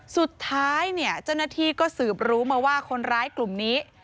สุดท้ายเนี่ยเจ้าหน้าที่ก็สืบรู้มาว่าคนร้ายกลุ่มนี้